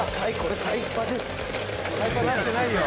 タイパになってないよ。